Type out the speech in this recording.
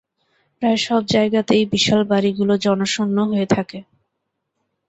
প্রায় সব জায়গাতেই বিশাল বাড়িগুলো জনশূন্য হয়ে থাকে।